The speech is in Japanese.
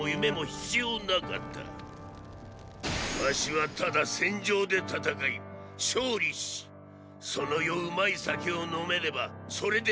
儂はただ戦場で戦い勝利しその夜うまい酒を飲めればそれで満足じゃったからのォ。